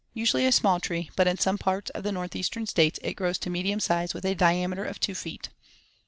Usually a small tree, but in some parts of the northeastern States it grows to medium size with a diameter of two feet.